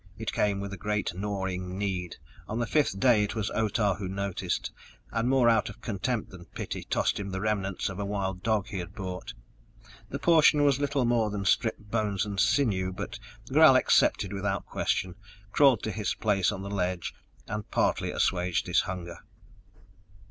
It came with a great gnawing need. On the fifth day it was Otah who noticed, and more out of contempt than pity tossed him the remnants of a wild dog he had brought: the portion was little more than stripped bones and sinew, but Gral accepted without question, crawled to his place on the ledge and partially assuaged his hunger....